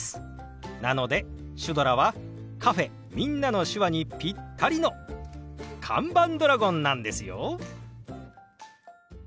なのでシュドラはカフェ「みんなの手話」にピッタリの看板ドラゴンなんですよ。